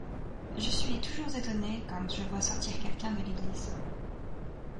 Je suis toujours étonné quand je vois sortir quelqu'un de l'église.